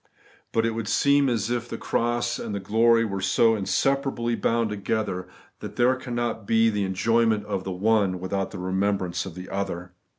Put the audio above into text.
But it would seem as if the cross and the glory were so inseparably bound together, that there cannot be the enjoy ment of the one without the remembrance of the other.